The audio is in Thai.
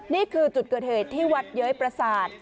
นี่คือจุดเกิดเหตุที่วัดเย้ยประสาท